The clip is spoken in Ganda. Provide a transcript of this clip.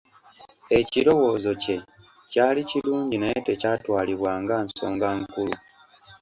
Ekirowoozo kye kyali kirungi naye tekyatwalibwa nga nsonga nkulu.